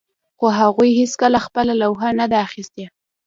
خو هغوی هیڅکله خپله لوحه نه ده اخیستې